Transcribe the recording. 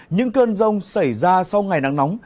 những cơn rông xảy ra sau ngày nắng nóng